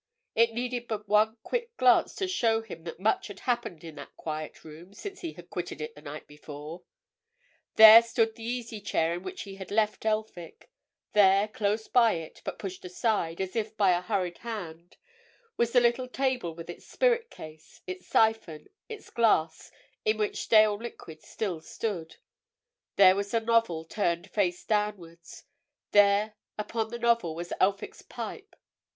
It needed but one quick glance to show him that much had happened in that quiet room since he had quitted it the night before. There stood the easy chair in which he had left Elphick; there, close by it, but pushed aside, as if by a hurried hand, was the little table with its spirit case, its syphon, its glass, in which stale liquid still stood; there was the novel, turned face downwards; there, upon the novel, was Elphick's pipe.